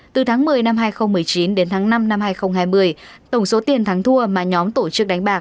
từ tháng một mươi năm hai nghìn một mươi chín đến tháng năm năm hai nghìn hai mươi tổng số tiền thắng thua mà nhóm tổ chức đánh bạc